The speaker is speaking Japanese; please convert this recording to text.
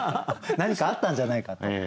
何かあったんじゃないかと。